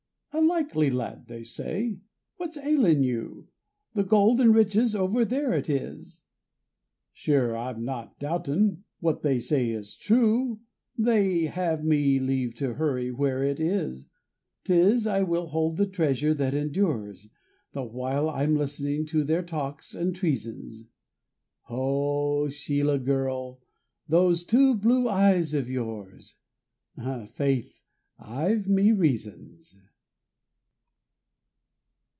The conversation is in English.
"A likely lad," they say. "What's ailin' you, The gold and riches over there it is." Sure, I'm not doubtin' what they say is true They have me leave to hurry where it is. 'Tis I will hold the treasure that endures, The while I'm listenin' to their talks and treasons. Oh, Sheila girl, those two blue eyes of yours, Faith, I've me reasons.